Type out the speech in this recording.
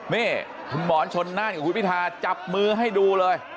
นี่คุณหมอชนน่านกับคุณพิธาจับมือให้ดูเลย